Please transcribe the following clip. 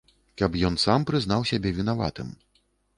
Каб ён сам прызнаў сябе вінаватым.